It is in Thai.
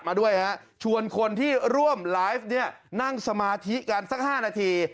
มาด้วยฮะชวนคนที่ร่วมไลฟ์เนี่ยนั่งสมาธิกันสัก๕นาที